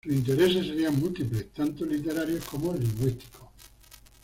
Sus intereses serían múltiples, tanto literarios como lingüísticos.